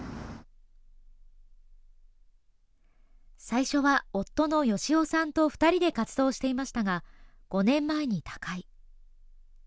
最初は夫の芳雄さんと２人で活動していましたが５年前に他界。